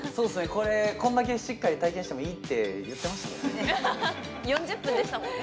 これこんだけしっかり体験してもいいって言ってましたもんね４０分でしたもんね